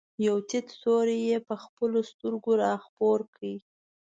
یو تت سیوری یې په خپلو سترګو را خپور کړ.